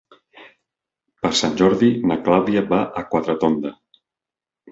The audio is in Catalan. Per Sant Jordi na Clàudia va a Quatretonda.